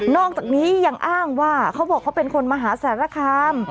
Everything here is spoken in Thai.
อกจากนี้ยังอ้างว่าเขาบอกเขาเป็นคนมหาสารคาม